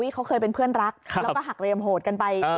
เขาเคยเป็นเพื่อนรักแล้วก็หักเรียมโหดกันไป